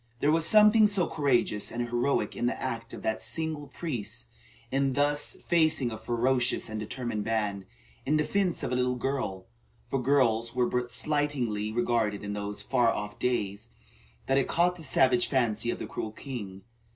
There was something so courageous and heroic in the act of that single priest in thus facing a ferocious and determined band, in defence of a little girl, for girls were but slightingly regarded in those far off days, that it caught the savage fancy of the cruel king.